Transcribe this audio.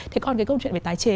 thế còn cái câu chuyện về tái chế